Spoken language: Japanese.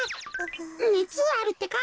ねつはあるってか？